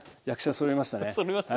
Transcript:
そろいましたね。